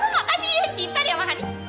makasih ya cinta deh sama honey